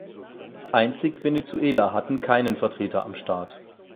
Einzig Venezuela hatten keinen Vertreter am Start.